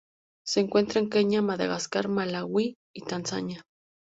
Se encuentra en Kenia Madagascar Malaui y Tanzania.